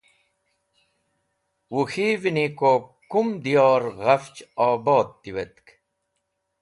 Wuk̃hivni ko kumd diyor ghafch obod tiwet?